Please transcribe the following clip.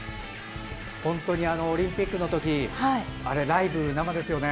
本当にオリンピックのときあれ、生ですよね。